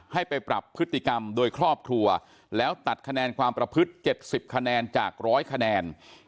ให้ไปปรับพฤติกรรมโดยครอบครัวแล้วตัดคะแนนความประพฤติ๗๐คะแนนจาก๑๐๐คะแนน